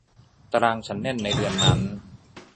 ตารางฉันแน่นในเดือนนั้น